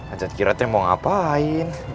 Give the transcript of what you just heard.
ajat kiratnya mau ngapain